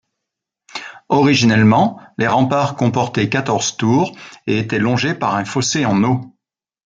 Originellement, les remparts comportaient quatorze tours et étaient longés par un fossé en eau.